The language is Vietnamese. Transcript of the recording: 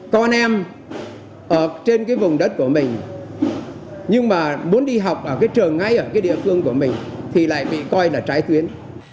con em ở trên cái vùng đất của mình nhưng mà muốn đi học ở cái trường ngay ở cái địa phương của mình thì lại bị coi là trái tuyến